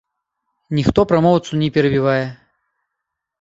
Ніхто прамоўцу не перабівае.